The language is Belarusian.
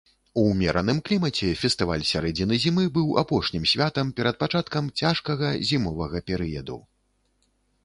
У ўмераным клімаце фестываль сярэдзіны зімы быў апошнім святам перад пачаткам цяжкага зімовага перыяду.